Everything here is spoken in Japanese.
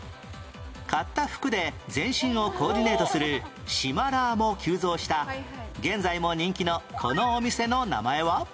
買った服で全身をコーディネートするしまラーも急増した現在も人気のこのお店の名前は？